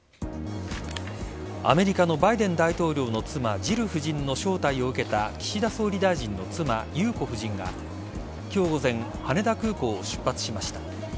アメリカのバイデン大統領の妻ジル夫人の招待を受けた岸田総理大臣の妻裕子夫人が今日午前羽田空港を出発しました。